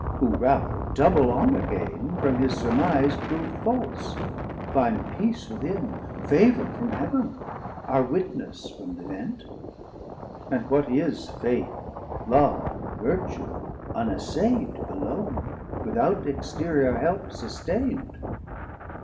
who rather double honour gaine From his surmise prov'd false, finde peace within, Favour from Heav'n, our witness from th' event. And what is Faith, Love, Vertue unassaid Alone, without exterior help sustaind?